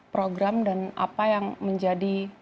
program dan apa yang menjadi